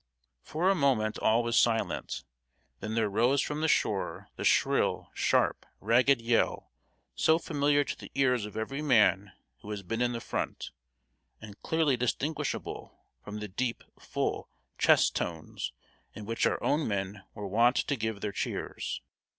For a moment all was silent. Then there rose from the shore the shrill, sharp, ragged yell so familiar to the ears of every man who has been in the front, and clearly distinguishable from the deep, full, chest tones in which our own men were wont to give their cheers.